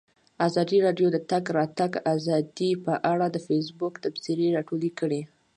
ازادي راډیو د د تګ راتګ ازادي په اړه د فیسبوک تبصرې راټولې کړي.